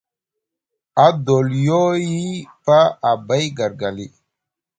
Adoliyo ye paa abay gargali.